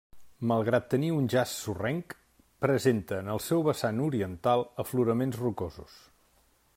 Malgrat tenir un jaç sorrenc, presenta, en el seu vessant oriental, afloraments rocosos.